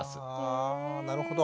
あなるほど。